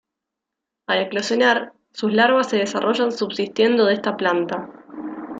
Al eclosionar, sus larvas se desarrollan subsistiendo de esta planta.